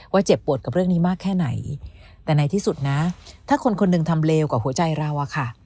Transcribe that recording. เจ็บปวดกับเรื่องนี้มากแค่ไหนแต่ในที่สุดนะถ้าคนคนหนึ่งทำเลวกว่าหัวใจเราอะค่ะ